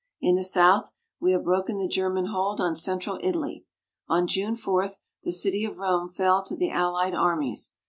In the south we have broken the German hold on central Italy. On June 4, the city of Rome fell to the Allied armies.